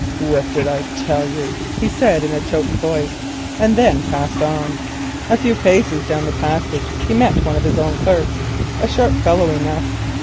"What did I tell you?" he said in a choked voice, and then passed on. A few paces down the passage he met one of his own clerks, a sharp fellow enough.